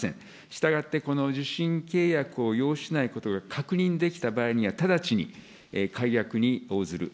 したがって、この受信契約を要しないことが確認できた場合には、直ちに解約に応ずる。